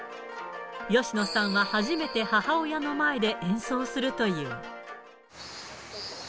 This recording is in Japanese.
吉野さんは初めて母親の前で演奏するという。